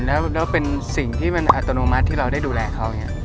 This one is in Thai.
แล้วเป็นสิ่งที่มันอัตโนมัติที่เราได้ดูแลเขาอย่างนี้